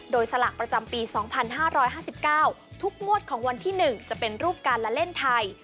โดยสลากประจำปี๒๕๕๙ทุกงวดของวันที่๑จะเป็นรูปการละเล่นไทย